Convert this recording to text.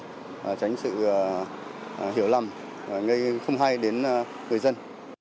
để không hiểu lầm không hay đến người dân